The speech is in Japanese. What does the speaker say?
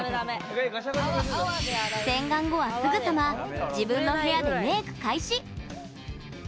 洗顔後は、すぐさま自分の部屋でメーク開始。